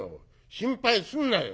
心配すんなよ。